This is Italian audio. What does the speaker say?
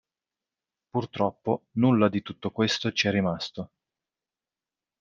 Purtroppo nulla di tutto questo ci è rimasto.